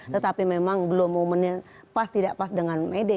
tetapi memang belum momennya pas tidak pas dengan mede